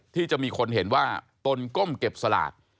ที่จะมีคนเห็นว่าตนก้มเก็บสลาก